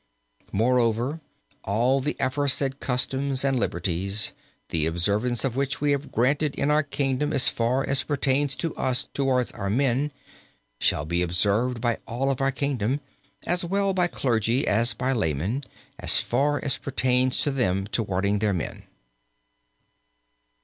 "Moreover, all the aforesaid customs and liberties, the observance of which we have granted in our kingdom as far as pertains to us towards our men, shall be observed by all of our kingdom, as well by clergy as by laymen, as far as pertains to them towards their men.